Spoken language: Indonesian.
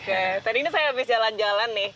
oke tadi ini saya habis jalan jalan nih